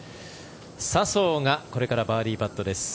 笹生がこれからバーディーパットです。